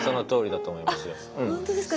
本当ですか？